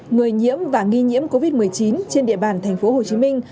người nhiễm và nghi nhiễm covid một mươi chín trên địa bàn tp hcm